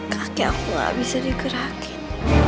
kaki aku gak bisa di gerakin